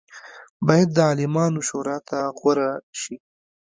باید د عالمانو شورا ته غوره شي.